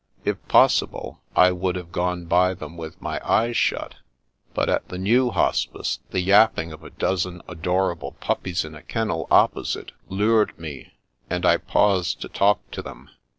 If possible, I would have gone by them with my eyes shut ; but at the new Hospice the yapping of a dozen adorable puppies in a kennel opposite lured me, and I paused to talk to them.